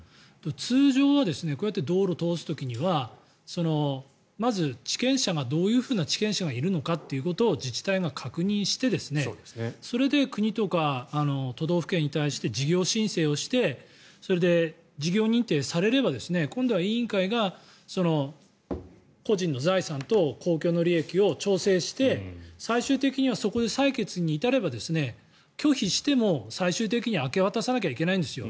通常はこうやって道路を通す時にはまず、地権者がどういう地権者がいるかということを自治体が確認してそれで国とか都道府県に対して事業申請をして事業認定されれば今度は委員会が、個人の財産と公共の利益を調整して最終的には、そこで裁決に至れば拒否しても最終的に明け渡さなきゃいけないんですよ。